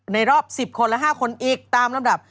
รอบ๑๐คนและ๕คนอีกตามลำดับ